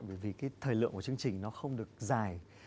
bởi vì cái thời lượng của chương trình nó không được dài